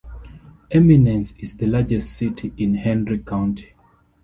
Eminence is the largest city in Henry County.